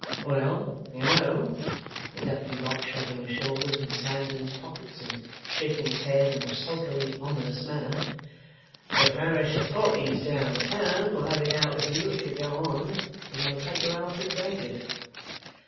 'Well, you know,' said the Deputy Lock, shrugging his shoulders with his hands in his pockets, and shaking his head in a sulkily ominous manner, 'the parish authorities down town will have it out of you, if you go on, you may take your Alfred David.